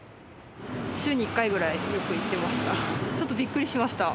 週に１回ぐらい、よく行ってました。